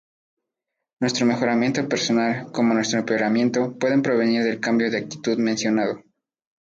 Nuestro mejoramiento personal, como nuestro empeoramiento, pueden provenir del cambio de actitud mencionado.